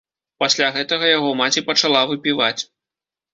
Пасля гэтага яго маці пачала выпіваць.